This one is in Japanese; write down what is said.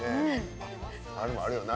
あれもあるよな。